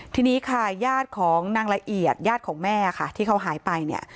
ทีนี้ค่ะญาติของนางละเอียดญาติของแม่ค่ะที่เขาหายไปเนี่ย